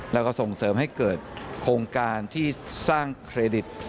แล้วก็ส่งเสริมให้เกิดโครงการที่สร้างเครดิต